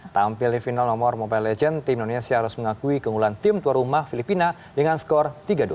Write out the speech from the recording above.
tampil di final nomor mobile legends tim indonesia harus mengakui keunggulan tim tuan rumah filipina dengan skor tiga dua